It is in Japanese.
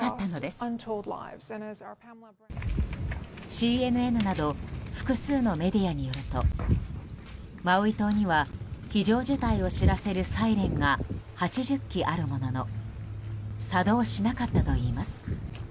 ＣＮＮなど複数のメディアによるとマウイ島には非常事態を知らせるサイレンが８０基あるものの作動しなかったといいます。